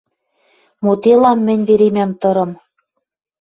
Моделам мӹнь веремӓм тырым